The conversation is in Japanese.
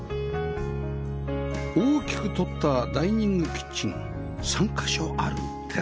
大きく取ったダイニングキッチン３カ所あるテラス